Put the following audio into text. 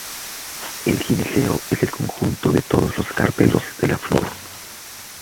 El gineceo es el conjunto de todos los carpelos de la flor.